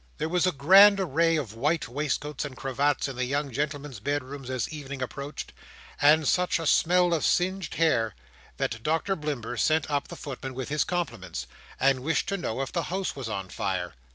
There was a grand array of white waistcoats and cravats in the young gentlemen's bedrooms as evening approached; and such a smell of singed hair, that Doctor Blimber sent up the footman with his compliments, and wished to know if the house was on fire.